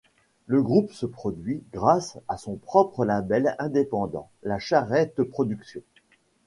Le groupe se produit grâce à son propre label indépendant, La Charrette productions.